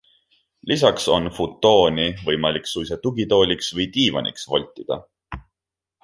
Lisaks on futooni võimalik suisa tugitooliks või diivaniks voltida.